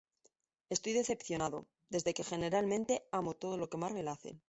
Estoy decepcionado desde que generalmente amo todo lo que Marvel hace.